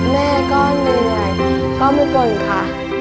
แม่ก็มีเหนื่อยพ่อมุ่งค่ะ